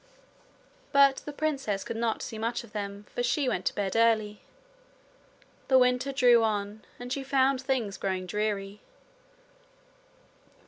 But the princess could not see much of them, for she went to bed early. The winter drew on, and she found things growing dreary.